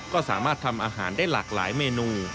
ก็สามารถทำอาหารได้หลากหลายเมนู